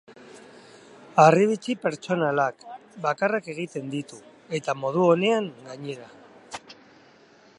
Harribitxi pertsonalak, bakarrak egiten ditu, eta modu onean, gainera.